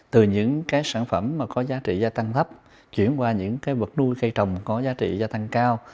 từ những sản phẩm có giá trị gia tăng thấp chuyển qua những vật nuôi cây trồng có giá trị gia tăng cao